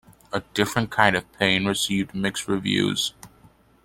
"A Different Kind of Pain" received mixed reviews.